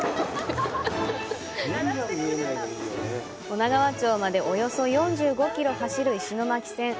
女川町までおよそ４５キロ走る石巻線。